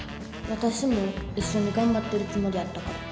私も一緒に頑張ってるつもりやったから。